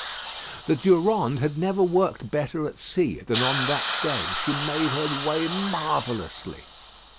The Durande had never worked better at sea than on that day. She made her way marvellously.